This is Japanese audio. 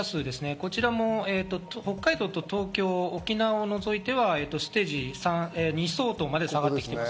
こちらも北海道、東京、沖縄を除いてはステージ２相当まで下がる。